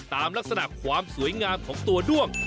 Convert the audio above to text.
ตามลักษณะความสวยงามของตัวด้วง